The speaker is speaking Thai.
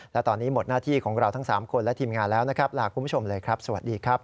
และตอนนี้หมดหน้าที่ของเราทั้ง๓คนและทีมงานแล้วนะครับลาคุณผู้ชมเลยครับสวัสดีครับ